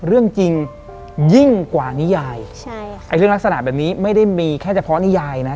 เรื่องจริงยิ่งกว่านิยายใช่ค่ะไอ้เรื่องลักษณะแบบนี้ไม่ได้มีแค่เฉพาะนิยายนะ